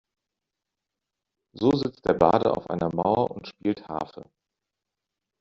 So sitzt der Barde auf einer Mauer und spielt Harfe.